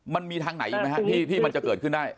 มันมีทางไหนอีกไหมครับที่มันจะเกิดขึ้นได้